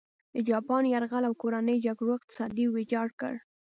د جاپان یرغل او کورنۍ جګړو اقتصاد ویجاړ کړ.